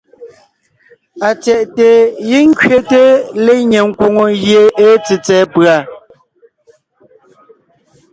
Atsyɛ̀ʼte giŋ kẅete lenyɛ nkwòŋo gie èe tsètsɛ̀ɛ pʉ̀a.